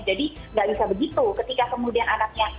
jadi gak bisa begitu ketika kemudian anaknya